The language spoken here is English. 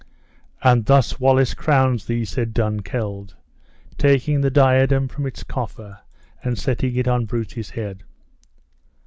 "And thus Wallace crowns thee!" said Dunkeld, taking the diadem from its coffer, and setting it on Bruce's head.